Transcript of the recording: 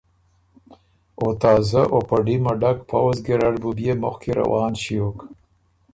او تازۀ او په ډیمه ډک پؤځ ګیرډ بُو بيې مخکی روان ݭیوک